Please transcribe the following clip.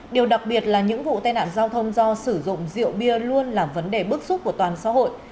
điều đặc biệt là những vụ tai nạn giao thông do sử dụng rượu bia luôn là vấn đề bức xúc của toàn xã hội